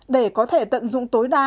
để có thể tận dụng tối đa